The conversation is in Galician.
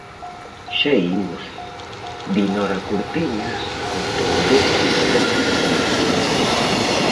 "Xa imos", di Nora Cortiñas con ton doce e decidido.